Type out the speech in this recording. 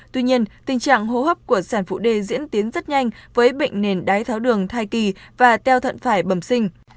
tuy nhiên tình trạng hô hấp của sản phụ đê diễn tiến rất nhanh với bệnh nền đái tháo đường thai kỳ và teo thận phải bẩm sinh